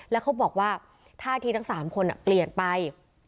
แล้วเขาบอกว่าท่าทีทั้ง๓คนเปลี่ยนไป